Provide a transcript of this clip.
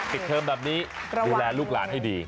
เทอมแบบนี้ดูแลลูกหลานให้ดี